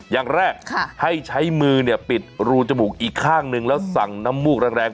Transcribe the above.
อย่างแรกให้ใช้มือปิดรูจมูกอีกข้างนึงแล้วสั่งน้ำมูกแรง